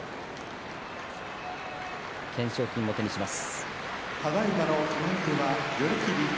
懸賞金を手にします。